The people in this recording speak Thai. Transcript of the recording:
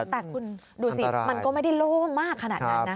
แต่คุณดูสิมันก็ไม่ได้โล่งมากขนาดนั้นนะ